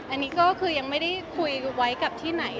อันนี้ราบยังไม่ได้คุยไว้ไหน